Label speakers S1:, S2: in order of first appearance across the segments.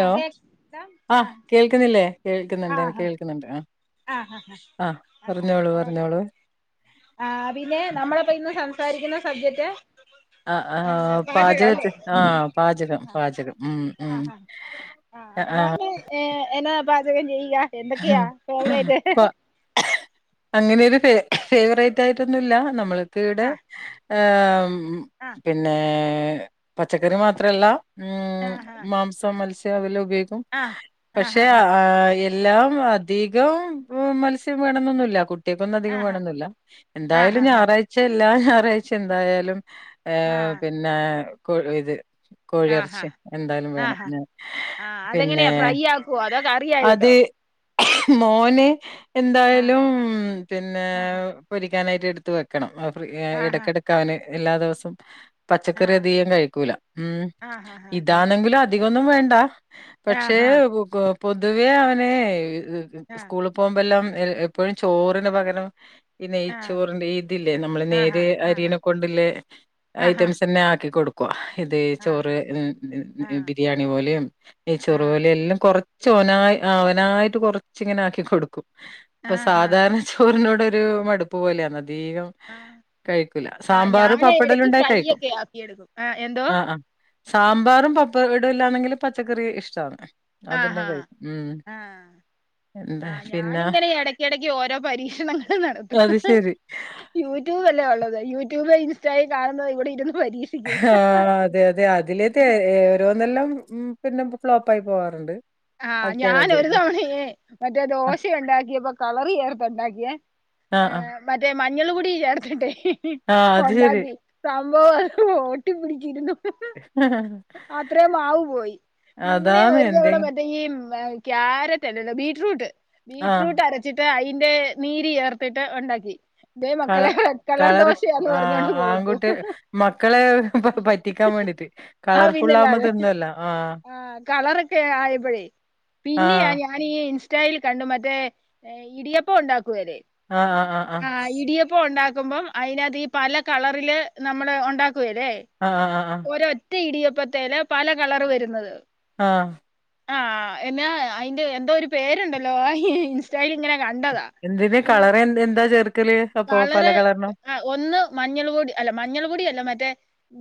S1: ആ കേക്ക
S2: ആ കേൾക്കുന്നില്ലേ കേൾക്കുന്നുണ്ട് എനിക്ക് കേൾക്കുന്നുണ്ട് ആഹ്
S1: ആഹ് ആഹ് ആഹ് [unintelligible]
S2: പറഞ്ഞോളൂ
S1: ആഹ് പിന്നെ നമ്മളിപ്പ ഇന്ന് സംസാരിക്കുന്ന സബ്ജറ്റ്
S2: ആഹ് ആഹ് പാചകത്തെ ആ പാചകം പാചകം ഉം ഉം
S1: ആഹ് ആഹ്
S2: ആ
S1: എന്നാൽ ഏ എന്നതാ പാചകം ചെയ്യുക എന്തൊക്കെയാ ഫേവറേറ്റ്
S2: അങ്ങനൊരു ഫെ ഫേവറേറ്റ് ആയിട്ടൊന്നുമില്ല നമ്മൾക്ക് ഇവിടെ
S1: ആ
S2: ആഹ് ഉം
S1: ആ
S2: പിന്നെ പച്ചക്കറി മാത്രവല്ല
S1: ആ
S2: ഉം
S1: ഹ
S2: മാംസം മത്സ്യം അതെല്ലാം ഉപയോഗിക്കും
S1: ആ ആ ഹ
S2: പഷെ
S1: ഹ
S2: ആഹ് ല്ലാം അധികം മത്സ്യം വേണോന്നൊന്നുമില്ല കു കുട്ടികൾക്കൊന്നും
S1: ആ
S2: അധികം
S1: ഹ
S2: വേണോന്നില്ല
S1: ആ ഹ
S2: എന്തായാലും
S1: ഹ
S2: ഞായറാഴ്ച എല്ലാ ഞായറാഴ്ച എന്തായാലും ഏ
S1: ആ
S2: പിന്നെ കൊ ഇത് കോഴി
S1: ആ ഹ
S2: ഇറച്ചി എന്തായാലും
S1: ആ
S2: വേണം
S1: ഹ
S2: ഞാൻ
S1: ആ
S2: പിന്നെ
S1: അതെങ്ങനെയാ ഫ്രൈ ആക്കുവോ അതോ
S2: അത്
S1: കറിയായിട്ടോ
S2: മോന്
S1: ആ
S2: എന്തായാലും പിന്നെ
S1: ആ ഹ
S2: പൊരിക്കാനായിട്ട് എടുത്ത് വെക്കണം ഫ്രീ
S1: ആ ഹ
S2: എടക്കെടക്ക് അവന് എല്ലാ ദിവസവും
S1: ആ
S2: പച്ചക്കറി അധികം കഴിക്കൂല ഉം
S1: ആ ഹ ഹ ഹ
S2: ഇതാണെങ്കിലും അധികം ഒന്നും വേണ്ട
S1: ആ
S2: പക്ഷേ
S1: ഹ
S2: പൊതുവേ അവന്
S1: ആ ആ
S2: സ്കൂള് പോകുമ്പൊ എല്ലാം എപ്പോഴും ചോറിന് പകരം പിന്നെ
S1: ആ
S2: നെയ്‌ച്ചോറിന്റെ ഇതില്ലേ നമ്മള്
S1: ഹ
S2: നേരിയ
S1: ആ ഹ
S2: അരീനെ കൊണ്ടില്ലേ
S1: ആഹാ.
S2: ഐറ്റംസ് തന്നെ ആക്കി കൊടു ഇത്
S1: ആഹാ.
S2: ചോറ്
S1: ആ.
S2: ബിരിയാണി പോലെയും
S1: ആ.
S2: നെയ്ചോറ് പോലെയും എല്ലാം കൊറ ച്ച് ഓനായി അവനായിട്ട് കൊറച്ച് ഇങ്ങനെ ആക്കി കൊടുക്കും അപ്പൊ
S1: ആഹാ.
S2: സാധാരണ ചോറിനോട് ഒരു മടുപ്പ് പോലെയാണ് അധികം
S1: ആ.
S2: കഴിക്കൂല
S1: ആ
S2: സാമ്പാറ്
S1: ഞാന്
S2: പപ്പടം എല്ലാം
S1: എടക്ക്
S2: ഉണ്ടേൽ
S1: ഫ്രൈ
S2: കഴിക്കും
S1: ഒക്കെ ആക്കിയെടുക്കും. ആ എന്തോ?
S2: ആഹ് ആഹ് സാമ്പാറും പപ്പടവും എല്ലാണെങ്കിലും പച്ചക്കറി ഇഷ്ടാണ് അതെല്ലാം കഴിക്കും ഉം
S1: ആഹ്
S2: എന്താ
S1: ആഹ്
S2: പിന്നെ
S1: ഞാനിങ്ങനെ എടക്കെടക്ക് ഓരോ പരീക്ഷണങ്ങള് നടത്തും
S2: അത് ശരി
S1: യൂട്യൂബ് അല്ലേ ഉള്ളത് യൂട്യൂബ് ഇൻസ്റ്റായിൽ കാണുന്ന ഇവിടെ ഇരുന്ന് പരീ
S2: ആഹ് അതെ അതെ അതിലൊക്കെ ഓരോന്നെല്ലാം പിന്നെ ഫ്ലോപ്പായി പോവാറുണ്ട്
S1: ആഹ്
S2: ആക്കിയാൽ അത്
S1: ഞാനൊരു തവണയേ മറ്റേ
S2: ആഹ്
S1: ദോശ ഉണ്ടാക്കിയപ്പോ കളറ് ചേർത്ത് ഉണ്ടാക്കിയേ
S2: ആഹ് ആഹ്
S1: മറ്റേ മഞ്ഞള് പൊടി ചേർത്തിട്ടേ
S2: ആഹ് അത് ശരി
S1: ഉണ്ടാക്കി സംഭവം ഒട്ടിപ്പിടിച്ചിരുന്നു അത്രയും മാവ് പോയി പിന്നെ
S2: അതാണ്
S1: ഒരു
S2: എന്തെ
S1: തവണ ഈ ക്യാരറ്റ് അല്ലല്ല ബീട്റൂട്ട്
S2: ആഹ്
S1: ബീട്റൂട്ട് അര ച്ചിട്ട് അതിന്റെ നീര് ചേർത്തിട്ട് ഉണ്ടാക്കി ഇതേ
S2: കള
S1: മക്കളെ റെഡ് കളർ ദോശയാന്ന്
S2: ആഹ്
S1: പറഞ്ഞോണ്ട് കൊടുത്തു
S2: ആൺകുട്ടി മക്കളെ പ- പറ്റിക്കാൻ വേണ്ടിട്ട്
S1: ആഹ്
S2: കളർഫുൾ ആവുമ്പോ
S1: പിന്നല്ലാതെ
S2: തിന്നല്ലോ ആഹ്
S1: ആ കളറൊക്കെ ആയപ്പഴേ പിന്നെയാ
S2: ആഹ്
S1: ഞാ ഞാനീ ഇൻസ്റ്റായിൽ കണ്ടു മറ്റേ ഇടിയപ്പം ഉണ്ടാക്കുവേലേ
S2: ആഹ് ആഹ്
S1: ആഹ് ഇടിയപ്പം ഉണ്ടാക്കുമ്പം അതിനതിനകത്ത് ഈ പല കളറില് നമ്മള് ഉണ്ടാക്കുവേലേ
S2: ആഹ് ആഹ്
S1: ഓരൊറ്റ ഇടിയപ്പത്തേല് പല കളറ് വരുന്നത്
S2: ആഹ്
S1: ആഹ് എന്നാ അതിന്റെ എന്തോ ഒരു പേരുണ്ടല്ലോ ഇൻസ്റ്റായില് ഇങ്ങനെ കണ്ടതാ
S2: എന്തിന്
S1: ഈ
S2: കളർ എ എന്താ ചേർക്കല് അപ്പൊ പല
S1: വളരെ
S2: കളറിനും
S1: അഹ് ഒന്ന് മഞ്ഞൾ പൊടി അല്ല മഞ്ഞൾ പൊടിയല്ലാ മറ്റേ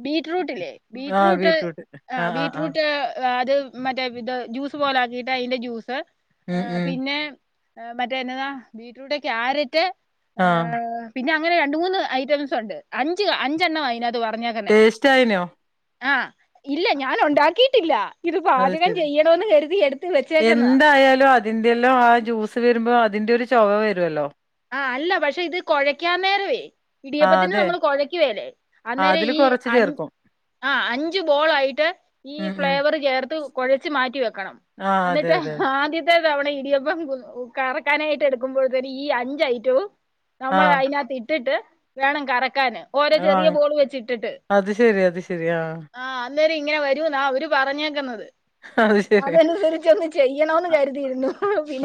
S1: ബീറ്റ്റൂട്ടില്ലേ ബീറ്റ്റൂട്ട് ആഹ് ബീറ്റ്റൂട്ട് അത് മറ്റേ ഇത് ജ്യൂസ് പോലെ ആക്കിയിട്ട് അയ്ൻ്റെ ജ്യൂസ്.
S2: ഉം
S1: ഏഹ്
S2: ഉം
S1: പിന്നെ മറ്റേ എന്നന്താ ബീറ്റ്റൂട്ട് ക്യാരറ്റ്
S2: ആഹ്.
S1: ഏഹ് പിന്നെ അങ്ങനെ രണ്ട് മൂന്ന് ഐറ്റംസുണ്ട്. അഞ്ച് അഞ്ചെണ്ണവാ ആയിനാത്ത് പറഞ്ഞേക്കന്നെ.
S2: ടേസ്റ്റ് ആയിനോ
S1: ആഹ് ഇല്ല ഞാൻ ഉണ്ടാക്കിയിട്ടില്ല. ഇത്
S2: അത്
S1: പാചകം ചെയ്യണമെന്ന് കരുതി യെടുത്ത് വെച്ചേക്കുന്നതാ.
S2: ത്തായാലോ അ തിന്റെയല്ലാം ആ ജ്യൂസ് വരുമ്പോ അതിന്റെ ഒരു ചൊവ വരുവല്ലോ.
S1: ആഹ് അല്ല പക്ഷെ ഇത് കൊഴയ്ക്കാൻ നേരവേ
S2: ആഹ്
S1: ഇടിയപ്പത്തിന്
S2: അതെ
S1: നമ്മൾ കൊഴയ്ക്കുവേലേ. അന്നേരം
S2: അതില്
S1: ഈ
S2: കൊറച്ച്
S1: അൻ
S2: ചേർക്കും
S1: ആഹ് അഞ്ചു ബോളായിട്ട് ഈ
S2: ഉം ഉം
S1: ഫ്ലേവർ ചേർത്ത് കൊഴച്ച് മാറ്റി വെക്കണം.
S2: ആ അതെ
S1: എന്നിട്ട്
S2: അതെ.
S1: ആദ്യ ത്തെതവണ ഇടിയപ്പം കു കറക്കാനായിട്ട് എടുക്കുമ്പോഴത്തിന് ഈ അഞ്ചയിറ്റവും
S2: ആ
S1: നമ്മള് അയിനാത്ത് ഇട്ടിട്ട് വേണം കറക്കാന്. ഓരോ
S2: അത്
S1: ചെറിയ
S2: വാങ്ങ്
S1: ബോള് വെച്ചിട്ടിട്ട്.
S2: അത് ശരി അത് ശരി. ആ
S1: ആഹ് അന്നേരം ഇങ്ങനെ വരൂന്നാ അവര് പറഞ്ഞേക്ക്ന്നത്.
S2: അത് ശരി.
S1: അതനുസരിച്ചൊന്ന് ചെയ്യണൊന്ന് കരുതിയിരുന്നു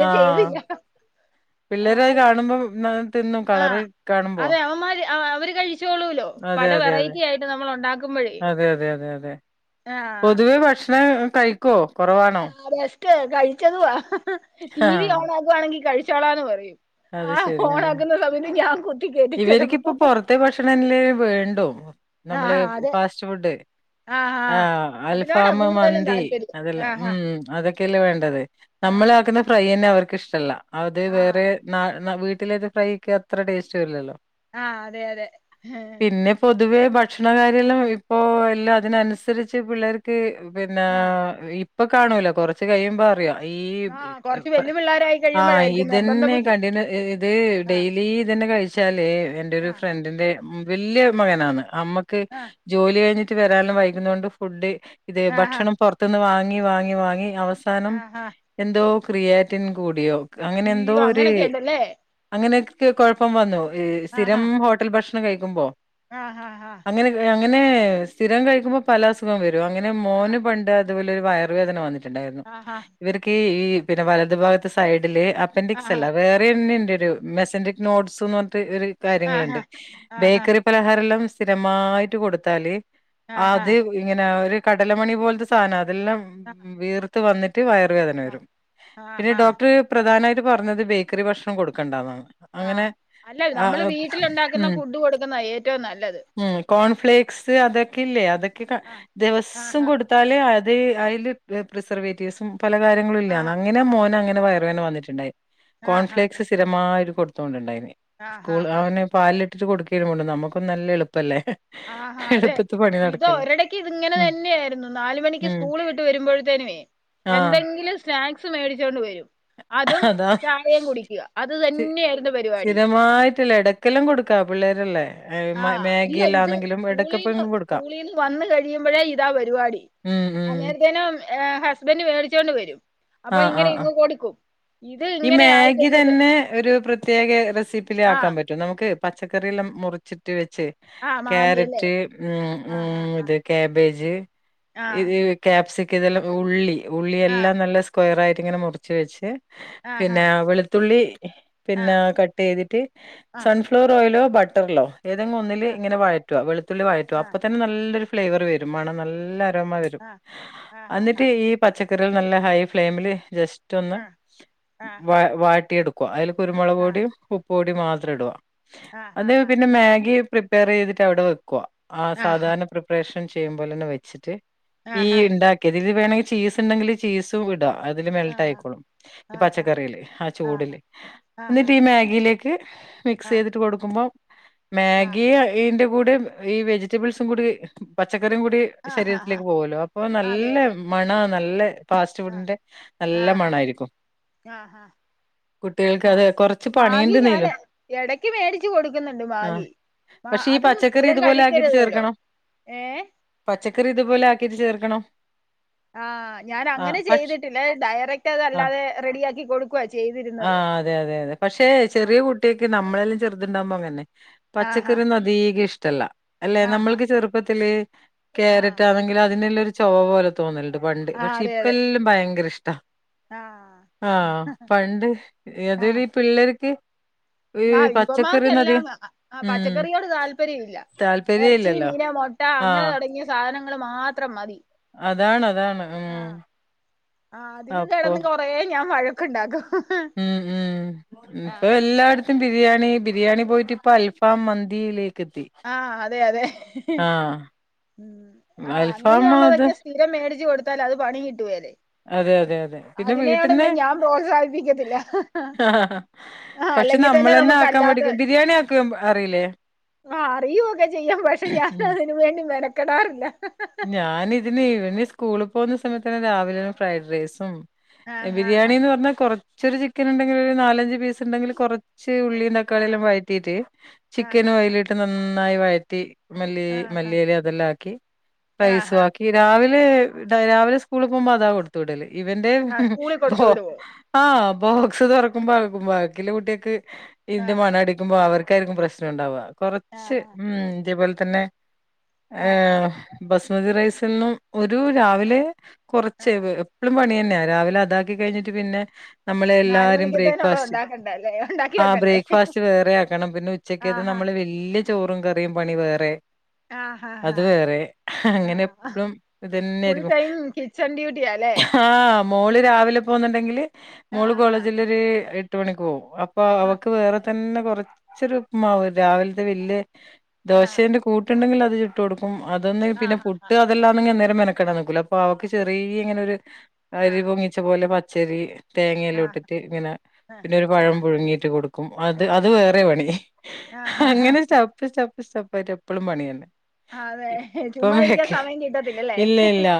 S2: ആ
S1: ചെയ്തില്ല.
S2: പിള്ളേരത്
S1: ആഹ്
S2: കാണുമ്പം ണ്
S1: ആഹ് അതെ അവന്മാര് ആ അവര് കഴിച്ചോളൂല്ലോ.
S2: അതെ
S1: പല
S2: അതെ അതെ.
S1: വെറൈറ്റി ആയിട്ട് നമ്മൾ ഉണ്ടാക്കുമ്പോഴേ. ആഹ്
S2: പൊതുവെ ഭക്ഷണം കഴി ക്കോ കൊറവാണ്
S1: ആഹ് ബെസ്റ്റ് കഴിച്ചതുവാ. ടി
S2: ആ
S1: വി ഓൺ ആകാണെങ്കി കഴിച്ചോളാന്ന് പറയും
S2: അത്
S1: ആ
S2: ശരി.
S1: ഓണാക്കുന്ന സമയത്ത് ഞാൻ കുത്തി കേറ്റി ചെലപ്പോ
S2: ത്തെ ഭക്ഷണല്ലേ വേണ്ടു നമ്മള്
S1: ആഹ് അതെ
S2: ഫാസ്റ്റ് ഫുഡ്. ആഹ്
S1: അതിനോടാ
S2: അൽഫാമ്
S1: കൂടുതലും
S2: മന്തി
S1: താല്പര്യം
S2: അതെല്ലാം
S1: ആഹ്
S2: ഉം അതൊ ക്കെല്ലെ വേണ്ടത്. നമ്മള്
S1: ആഹ്
S2: ആക്കുന്ന ഫ്രൈയെന്നെ അവർക്ക് ഇഷ്ടല്ല. അത്
S1: ആഹ്
S2: വേറെ ന്നാ ണ വീട്ടിലേത്തെ ഫ്രൈക്കി അത്ര ടേസ്റ്റ് വരില്ലല്ലോ.
S1: ആഹ് അതെയതെ.
S2: പിന്നെ പൊതുവേ ഭക്ഷണ കാര്യല്ലാം ഇപ്പോ എല്ലാം അതിനനുസരിച്ച് പിള്ളേർ ക്ക് പിന്നെ
S1: ആഹ്
S2: ഇപ്പ കാണൂല കൊറച്ച് കഴിയുമ്പോ അറിയാ. തീ
S1: ആഹ്
S2: ഇപ്പ
S1: കൊറച്ച്
S2: പ്
S1: വല്യ പിള്ളോരായി
S2: ആഹ്
S1: കഴിയുമ്പോഴായിരിക്കും നിർബന്ധ
S2: ഇതന്നെ
S1: ബുദ്ധി
S2: കണ്ടിന്യൂ ഇത്
S1: ആഹ്
S2: ഡെയിലി ഇതന്നെ കഴിച്ചാല് എന്റെ ഒരു
S1: ആഹ്
S2: ഫ്രണ്ടിന്റെ ഉം വല്യ മകനാന്ന്. അമ്മക്ക്
S1: ആഹ്
S2: ജോലി കഴിഞ്ഞിട്ട് വരാന് വൈകുന്നോണ്ട് ഫുഡ് ഇതെ
S1: ആഹ്
S2: ഭക്ഷണം പൊറത്ത് ന്ന് വാങ്ങി വാങ്ങി വാങ്ങി അവസാനം
S1: ആഹ്
S2: എന്തോ ക്രിയാറ്റിൻ കൂടിയോ അങ്ങനെ എന്തോര്
S1: ക്കേണ്ടല്ലേ
S2: അങ്ങനെക്കേ കൊഴപ്പം വന്നു ഈഹ്
S1: ആഹ്
S2: സ്ഥിരം ഹോട്ടൽ ഭക്ഷണം കഴിക്കുമ്പോ.
S1: ആഹ് ഹാ ഹാ.
S2: ങ്ങനെ അങ്ങനെ സ്ഥിരം കഴിക്കുമ്പം പല അസുഖം വരും. അങ്ങനെ മോന്
S1: ആഹ്
S2: പണ്ട് ഇതുപോലെ ഒരു വയറു വേദന വന്നിട്ടുണ്ടായിരുന്നു.
S1: ആഹാ
S2: ഇവർക്ക് ഈ ഈ വലത് ഭാഗത്ത് സൈഡില് അപ്പൻ്റ് സ്
S1: ആഹാ
S2: അല്ല വേറെന്നെണ്ടൊരു മെസൻ്റിക്നോട്‌സ് ന്ന് പറഞ്ഞിട്ട് ഒര് കാര്യങ്ങള്ണ്ട്.
S1: ആഹാ ആഹാ
S2: ബേക്കറി പലഹാര എല്ലം സ്ഥിരമായിട്ട് കൊടുത്താല്
S1: ആഹാ
S2: അത് ഇങ്ങന ഒരു കടലമണി പോലത്തെ സാന അതെല്ലം വീർത്ത് വന്നിട്ട് വയർ വേദന
S1: ആഹ്
S2: വരും പിന്നെ
S1: ആഹാ
S2: ഡോക്ടർ പ്രധാനായി ട്ട് പറ്ഞ്ഞത് ബേക്കറി ഭക്ഷണം കൊടുക്കണ്ടന്നാണ്.
S1: ആഹ് അല്ല നമ്മള് വീട്ടിലുണ്ടാക്കുന്ന
S2: ഉം
S1: ഫുഡ് കൊടുക്കുന്നാ ഏറ്റവും നല്ലത്.
S2: ഉം കോൺഫ്ലേക്സ് അതൊക്കെ ഇല്ലേ അതൊക്കെ ക
S1: ആഹ്
S2: ദിവസം
S1: ആഹാ
S2: കൊട് ത്താല് അത് അയില് പ്രി പ്രിസർവേറ്റീവ്സും പല കാര്യങ്ങളും
S1: ആഹാ
S2: ഇല്ലാന്നാ ങ്ങനെ മോന് അങ്ങനെ വയറ് വേദന വന്നിറ്റുണ്ടായി.
S1: ആഹാ
S2: കോൺഫ്ലേക്സ് സ്ഥിരമായി കൊട്ത്തോണ്ട് ഇണ്ടായിന് സ്കൂൾ
S1: ആഹാ
S2: അവന്. പാല് ഇട്ടിട്ട് കൊടുക്കേർന്നു കൊണ്ടന്ന് നമ്മക്കും നല്ല എളുപ്പല്ലേ.
S1: ആഹ് ആഹ് അതെ.
S2: എളുപ്പത്ത് പണി
S1: ഇത്
S2: നടക്കല്ലോ
S1: ഒരടക്ക്യ് ഇത് ഇങ്ങനെ
S2: ഉം
S1: തന്നെയായിര്ന്നു നാല് മണിക്ക്
S2: ഉം
S1: സ്കൂള് വിട്ട് വരുമ്പോഴത്തേനുവേ.
S2: ആഹ്
S1: എന്തെങ്കിലും സ്നാക്സ് മേടിച്ചോണ്ട് വരും. അതും
S2: അതാ
S1: ചായയും കുടിക്ക്ക അത് തന്നെ ആയിരുന്നു പരിപാടി.
S2: മായിട്ട് ഇല്ല എടക്. എടക്കെല്ലം കൊടുക്ക പിള്ളേരല്ലേ.
S1: ആഹ് ഇല്ല ഇത്
S2: മാഗിയെല്ലാന്നെങ്കിലും ഇടക്കപ്പ
S1: സ്കൂളീന്ന്
S2: കൊടുക്കാം
S1: സ്കൂളീന്ന് വന്ന് കഴിയുമ്പഴേ ഇതാ പരിപാടി.
S2: ഉം ഉം
S1: അങ്ങനത്തേനും ഏ ഹസ്ബന്റ് മേടിച്ചോണ്ട് വരും അപ്പൊ
S2: ആഹ്
S1: ഇങ്ങനെ
S2: ആഹ്
S1: ഇങ്ങ് കൊട്ക്കും.
S2: ഈ മാഗി തന്നെ ഒരു പ്രത്യേക റെസിപ്പിയില്
S1: ആ
S2: ആക്കാൻ പ റ്റും നമുക്ക് പച്ചക്കറി എല്ലം മുറിച്ചിട്ട് വെച്ച്
S1: ആ മാഗി അല്ലേ
S2: കാരറ്റ് ഉം
S1: ആ ആ
S2: ഉം ഇത്. കബേജ്
S1: ആ
S2: ഇത് ക്യാപ്സികം ഇതെല്ലാം ഉള്ളി ഉള്ളി
S1: ആ ആ
S2: എല്ലാം നല്ല. സ്ക്വയ്റായിട്ട്ങ്ങനെ മുറിച്ച് വെച്ച്.
S1: ആ ഹാ
S2: പിന്നെ വെളുത്തുള്ളി
S1: ആ
S2: പിന്നെ കട്ടെയ്തിട്ട്.
S1: ആ
S2: സൺഫ്ലവർ ഓയിലോ ബട്ടറ്ലോ. ഏതെങ്ങ് ഒന്നില്
S1: ആ
S2: ഇങ്ങനെ വഴറ്റോ വെളുത്തുള്ളി വഴറ്റോ
S1: ആ
S2: അപ്പൊ തന്നെ നല്ലൊരു ഫ്ലേവർ വരും മണം നല്ല ഒര് മ വരും.
S1: ആ ആ ഹാ ഹാ
S2: അന്നിട്ട് ഈ പച്ചക്കറികൾ നല്ല ഹൈ ഫ്ലെയിമില് ജസ്റ്റ് ഒന്ന്.
S1: ആ ആ ഹാ
S2: വ വെട്ടിയെടുക്കുവ അയില് കുരുമൊളക്
S1: ആ
S2: പൊടിയും ഉപ്പു പ്പൊടിയും മാത്രം ഇടുക.
S1: ആ ഹാ
S2: അത്
S1: ഹാ
S2: പിന്നെ മാഗി പ്രിപ്പയ്റെയ്തിട്ട് അവിടെ വെക്കുവാ ആ സാധാര്ണ പ്രി റെഷൻ ചെയ്യും പോലെന്നെ വെച്ചിട്ട്
S1: ആ ഹാ ആ ഹാ ആ ഹാ ആ
S2: ഈ
S1: ഹാ ആ ഹാ
S2: ഇണ്ടാക്കിയതിൽ വേണങ്കിൽ ചീസ്ണ്ടെങ്കിൽ. ചീസും ഇടാ അതില് മെൽട്ടായിക്കോളും ഈ പച്ചക്കറിയില് ആ ചൂടില്. എന്നിട്ട് ഈ മാഗിയിലേക്ക് മിക്സെയ്തിട്ട് കൊടുക്കുമ്പം
S1: ആ ആ
S2: മാഗി അ [unintelligible] ന്റെ. കൂടെം ഈ വെജിറ്റബിൾസും കൂടി പച്ചക്കറിയും കൂടി
S1: ആ ഹാ ഹാ
S2: ശരീരത്തിലേക്ക് പോവുല്ലോ അപ്പോ
S1: അതെ
S2: നല്ല.
S1: അതെ
S2: മണ നല്ല ഫാസ്റ്റ് ഫുഡ്ന്റെ നല്ല മണായിരി
S1: [unintelligible] ഹ.
S2: കുട്ടികൾക്ക് അത്
S1: ആഹ്
S2: കൊറച്ച്
S1: ബാഗി ഞാന്
S2: പണിയുണ്ട്ന്നേലും
S1: എടക്ക് മേടിച്ചു കൊടുക്കുന്നുണ്ട്
S2: ആ
S1: മാഗി. മാ
S2: പക്ഷെ ഈ
S1: അതും
S2: പച്ചക്കറി
S1: സ്ഥിരം
S2: ഇതുപോലെ ആക്കിട്ട്
S1: കഴിക്കര്തല്ലോ
S2: ചേർക്കണം
S1: ഏ.
S2: പച്ചക്കറി ഇതു പോലെ ആക്കീട്ട് ചേർക്കണം.
S1: ആഹ് ഞാൻ
S2: ആ
S1: അങ്ങനെ
S2: പക്ഷ
S1: ചെയ്തിട്ടില്ലേ ഡയറക്റ്റ്
S2: ആ
S1: അതല്ലാതെ റെഡിയാക്കി കൊടുക്കുവ ചെയ്തി
S2: ആഹ് അതെ അതെ അതെ പക്ഷേ ചെറിയ കുട്ടിയേക്ക് നമ്മളെല്ല ചെറുത്ണ്ടാവുമ്പം അങ്ങന്നെ.
S1: ആഹാ
S2: പച്ചക്കറിയൊന്നും അധീക ഇഷ്ടല്ല അല്ലെ
S1: ആഹാ
S2: നമ്മൾക്ക് ചെറ്പ്പത്തില്.
S1: ആഹ്
S2: ക്കേരറ്റ് ആ [unintelligible] ങ്കിലും അതിന്റെ നല്ലൊരു ചൊവ പോലെ തോന്നല്ണ്ട് പണ്ട്
S1: ആഹ്
S2: പക്ഷെ
S1: അതെ
S2: ഇപ്പ
S1: അതെ
S2: എല്ലം ഭയങ്കര ഇഷ്ടാ.
S1: ആഹ്.
S2: പണ്ട് എതെ [unintelligible] ഈ പിള്ളേർക്ക്. ഈ
S1: ആഹ്
S2: പച്ചക്കറിയൊന്നും
S1: ഇവമാർക്കെല്ലാം
S2: അധികം
S1: അ
S2: ഉം
S1: പച്ചക്കറിയോട് താല്പര്യം ഇല്ല.
S2: താല്പര്യ
S1: എറ്ച്ചി
S2: ഇല്ലല്ലോ
S1: മീൻ മൊട്ട അങ്ങനെ
S2: ആഹ്
S1: തൊടങ്ങിയ സാധനങ്ങൾ മാത്രം മതി.
S2: അതാണ് അതാണ് ഉം
S1: ആഹ് ആ അതിന്
S2: അപ്പൊ
S1: കെടന്ന് കോ പ്പയെ ഞാൻ വഴക്ക്ണ്ടാകും.
S2: ഹ്മ്മ് ഹ്മ്മ് ഹ്മ്മ് ഇപ്പ എല്ലട് ത്തും ബിരിയാണി, ബിരിയാണി പോയിട്ട് ഇപ്പ അൽഫാം മന്തിയിലേക്ക് എത്തി
S1: ആഹ് അതെ അതെ,
S2: ആഹ്
S1: ഹ്മ്മ് ആഹ്
S2: അൽഫാം അത്
S1: അങ്ങനെയുള്ളതൊക്കെ സ്തി സ്ഥിരം മേടിച്ചു കൊടുത്താൽ അത് പണി കിട്ടുവല്ലേ
S2: അതെ അതെ, അതെ, പിന്നെ വീട്ടിന്ന്
S1: ഞാൻ പ്രോത്സാഹിപ്പിക്കത്തില്ല ആഹ്
S2: [inaudible] പക്ഷെ
S1: അല്ലെങ്കിൽ തന്നെ
S2: നമ്മളന്നെ
S1: നമുക്ക്
S2: ആക്കാൻ
S1: അല്ലാത്ത
S2: പഠിക്കും ബിരിയാണി ആക്കാൻ അറിയില്ലേ
S1: ആഹ് അറിയുക്കെ ചെയ്യാം പക്ഷെ
S2: ഉം
S1: ഞാനതിന് വേണ്ടി മെനക്കെടാറില്ല
S2: ഞാനിഇതിന് ഇവന് സ്കൂളിൽ പോകുന്ന സമയത്തന്നെ രാവിലെ ഫ്രൈഡയ്സും
S1: ആഹ് ആഹ്
S2: ബിരിയാണിന്ന് പറഞ്ഞാ കൊറച്ചൊരു ചിക്കൻ ഇണ്ടെങ്കിൽ ഒര് നാലഞ്ച് പീസ് ഇണ്ടെങ്കില് കൊറച്ച് ഉള്ളി താക്കാളിയെല്ലാം വഴറ്റീട്ട്
S1: ആഹ് ആഹ്
S2: ചിക്കന് അതിലിട്ട് നന്നായി വഴറ്റി മല്ലി
S1: ആഹ്
S2: മല്ലിയില അതെല്ലാം ആക്കി റൈസ്
S1: ആഹ് ആഹ്
S2: ആക്കി രാവിലെ എന്താ രാവിലെ സ്കൂളിൽ പോകുമ്പോ അതാ കൊട് ത്ത് വിടല് ഇവന്റെ
S1: ആഹ് സ്കൂളിൽ കൊടുത്തു
S2: പോ
S1: വിടുവോ
S2: ആഹ് ബോക്സ് തൊറക്കുമ്പോ ബാക്കിലെ കുട്ടിയേൾക്ക് ഇതിന്റെ
S1: ആഹ്
S2: മണം അടി ക്കുമ്പോ അവർക്കായിരിക്കും പ്രശ്നണ്ടാവ കൊറച്ച്
S1: ആഹ്
S2: ഹ്മ്മ് ഇതേപോലെ തന്നെ
S1: ആഹ് ആഹ്
S2: ഏഹ് ബസ്മതി റൈസെന്നും ഒരു രാവിലെ കൊറച്ച്
S1: ആഹ്
S2: എപ്പളും പണി തന്നെയാ രാവിലെ അതാക്കി കഴിഞ്ഞിട്ട് പിന്നെ നമ്മളെ
S1: നാല്
S2: എല്ലാരും
S1: മണിക്കത്തേനുള്ളത്
S2: ബ്രേക്ക്ഫാസ്റ്റ്
S1: ഉണ്ടാക്കണ്ടേ അല്ലേ ഉണ്ടാക്കി
S2: ആഹ്
S1: വെക്കണ്ടേ
S2: ബ്രേക്ക്ഫാസ്റ്റ് വേറെ ആക്കണം പിന്നെ ഉച്ചക്കയ്ത്തെക്ക്
S1: ആഹ്
S2: നമ്മള് വെ ല്യ ചോറും കറിയും പണി വേറെ
S1: ആഹ് ആഹ്
S2: അത്
S1: ആഹ്
S2: വേറെ അങ്ങനെ എപ്പളും ഇതന്നെ
S1: ഫുൾ
S2: ആയിരിക്കും
S1: ടൈം കിച്ചൺ ഡ്യൂട്ടിയാല്ലേ
S2: ആഹ് മോള് രാവിലെ പോകുന്നു ണ്ടെങ്കില് മോള്
S1: ആഹ്
S2: കോളേജിലൊര് എട്ട് മണിക്ക് പോകും അപ്പൊ
S1: ആഹ്
S2: അവൾക്ക് വേറെ തന്നെ കൊറച്ചൊരു ഉപ്പ് മാവ് രാവിലത്തെ വല്യ
S1: ആഹ്
S2: ദോശേന്റെ കൂട്ട്ണ്ടെങ്കിൽ അത്ചുട്ട് കൊടുക്കും അതൊന്ന് പിന്നെ
S1: ആഹ് ആഹ്
S2: പുട്ട തെല്ലാന്നെങ്കി അന്നേരം മെനക്കെടാൻ നിക്കൂല അപ്പവൾക്ക് ചെറിയ ഇങ്ങനൊര്
S1: ആഹ്
S2: എരിവും മിച്ചം പോലെ പച്ചരി
S1: ആഹ്
S2: തേങ്ങയിലൂട്ടിട്ട് ഇങ്ങനെ
S1: ആഹ്
S2: പിന്നെ ഒരു പഴം
S1: ആഹ്
S2: പുഴുങ്ങിട്ട് കൊടുക്കും അത് അത്
S1: ആഹ്
S2: വേറെ പണി
S1: ആഹ് ആഹ്
S2: അങ്ങനെ സ്റ്റപ്പ് സ്റ്റപ്പ് സ്റ്റപ്പായിട്ട് എപ്പളും പണി തന്നെ
S1: അതെ ചുമ്മാ
S2: ഇപ്പം
S1: ഇരിക്കാൻ സമയം കിട്ടത്തില്ലല്ലേ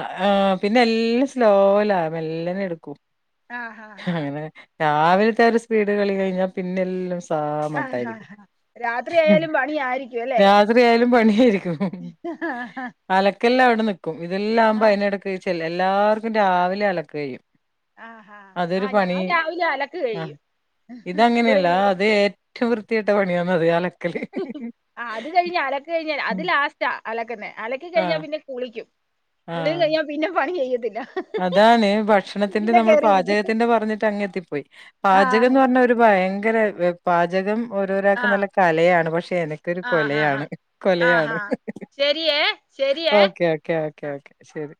S2: ആഹ് പിന്നെ എല്ലാം സ്ലോയ്ലാ മെല്ലനെ എടുക്കും
S1: ആഹ് ആഹ് ആഹ്
S2: അങ്ങനെ രാവിലത്തെ ആ ഒര് സ്പീഡ് കളി കഴിഞ്ഞാ പിന്നെല്ലം പാ
S1: ആഹ്
S2: മട്ടായിരിക്കും,
S1: ആഹ് ആഹ് രാത്രിയായാലും പണിയായിരിക്കും അല്ലേ
S2: രാത്രി ആയാലും പണിയായിരിക്കും
S1: [unintelligible]
S2: അലക്കെല്ലാം അവടെ നിക്കും ഇതെല്ലാം ആവുമ്പ
S1: ആഹ്
S2: അയ്നെടക്ക്‌ ചെ എല്ലാർക്കും രാവിലെ അലക്കയും
S1: ആഹ്
S2: അതൊരു
S1: ആഹ് ഞാൻ
S2: പണി
S1: രാവിലെ അലക്ക്
S2: ആഹ്
S1: കഴിയും
S2: ഇതങ്ങനെയല്ല ആ
S1: ഇവരെല്ലാരും
S2: അതെ ഏറ്റം വൃത്തികെട്ട പണിയാണത് അല
S1: ആ അത് കഴിഞ്ഞ് അലക്ക്‌ കഴിഞ്ഞാൽ അത്
S2: ഉം
S1: ലാസ്റ്റാ അലക്ക്ന്നെ അലക്കി കഴിഞ്ഞാ
S2: ആഹ്
S1: പിന്നെ കുളിക്കും, കുളീം കഴിഞ്ഞാ പിന്നെ പണി ചെയ്യത്തില്ല.
S2: അതാണേ ഭക്ഷണത്തിന്റെ
S1: പിന്നെ
S2: നമ്മള്
S1: കേറിയിരിക്കും
S2: പാചകത്തിന്റെ പറഞ്ഞിട്ട് അങ്ങെത്തിപ്പോയി പാചകം
S1: ആഹ്
S2: എന്ന് പറഞ്ഞരു ഭയങ്കരെ ഏഹ് പാചകം ഓരോരാൾക്ക്
S1: ആഹ്
S2: നല്ല കലയാണ് പക്ഷെ എനക്കൊരു
S1: ആഹ് ആഹ്
S2: കൊലയാണ്
S1: ആഹ്
S2: കൊലയാണ്.
S1: ആഹ് ശരിയേ ശരിയേ
S2: ഓക്കെ ഓക്കെ ഓക്കെ ഓക്കെ ശെരി.